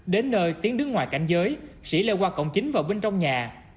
đến nơi tiến đứng ngoài cảnh giới sĩ leo qua cổng chính vào bên trong nhà